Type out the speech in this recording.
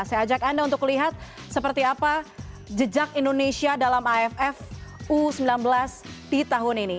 saya ajak anda untuk lihat seperti apa jejak indonesia dalam aff u sembilan belas di tahun ini